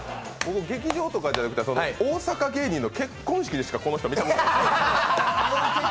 劇場とかじゃなくて大阪芸人の結婚式でしか見たことない。